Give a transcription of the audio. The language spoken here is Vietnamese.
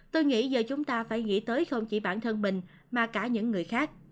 tôi nghĩ giờ chúng ta phải nghĩ tới không chỉ bản thân mình mà cả những người khác